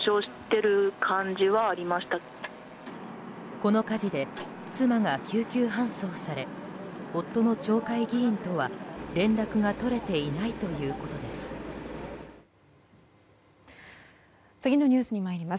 この火事で妻が救急搬送され夫の町会議員とは連絡が取れていないということです。